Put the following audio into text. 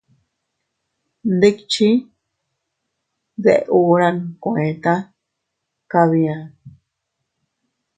Ndikchi deʼe hura nkueta kabia.